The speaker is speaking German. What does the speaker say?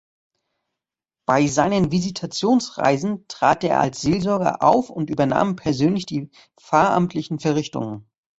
Bei seinen Visitationsreisen trat er als Seelsorger auf und übernahm persönlich die pfarramtlichen Verrichtungen.